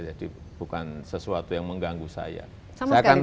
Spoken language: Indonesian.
jadi bukan sesuatu yang mengganggu saya